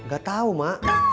gak tau ma